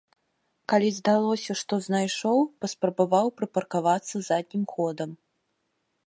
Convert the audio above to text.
Калі здалося, што знайшоў, паспрабаваў прыпаркавацца заднім ходам.